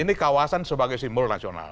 ini kawasan sebagai simbol nasional